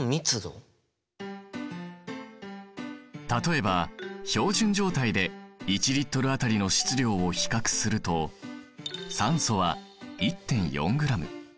例えば標準状態で１Ｌあたりの質量を比較すると酸素は１．４ｇ。